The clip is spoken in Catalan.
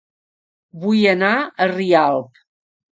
Vull anar a Rialp